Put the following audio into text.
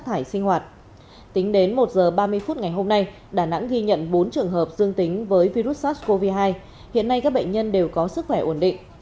tính đến một h ba mươi phút ngày hôm nay đà nẵng ghi nhận bốn trường hợp dương tính với virus sars cov hai hiện nay các bệnh nhân đều có sức khỏe ổn định